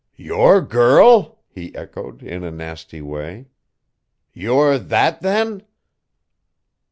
"'Your girl?' he echoed, in a nasty way. 'You're that, then?'